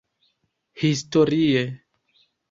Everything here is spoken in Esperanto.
Historie